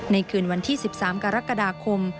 คืนวันที่๑๓กรกฎาคม